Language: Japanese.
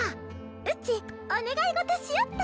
うちお願い事しよっと